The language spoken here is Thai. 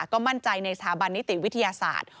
ก็มั่นใจในสถาบันนิติวิทยาศาสตร์